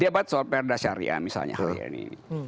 debat soal perdasyariah misalnya hari ini